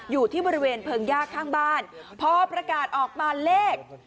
อยู่ที่บริเวณเพิงยากข้างบ้านพอประกาศออกมาเลข